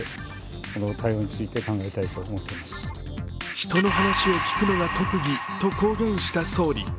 人の話を聞くのが特技と公言した総理。